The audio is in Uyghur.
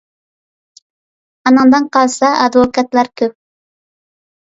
ئۇنىڭدىن قالسا ئادۋوكاتلار كۆپ.